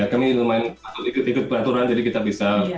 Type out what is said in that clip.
ya kami lumayan ikut peraturan jadi kita bisa